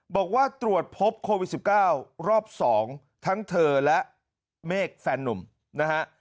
บอกว่าตรวจพบโควิด๑๙รอบ๒ทั้งเธอและเมฆแฟนนุ่มนะฮะ